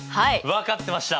分かってました。